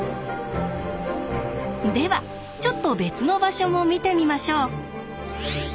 ではちょっと別の場所も見てみましょう。